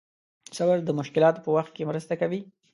صبر د مشکلاتو په وخت کې مرسته کوي.